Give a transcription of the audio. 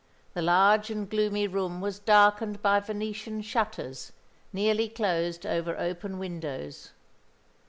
The large and gloomy room was darkened by Venetian shutters, nearly closed over open windows.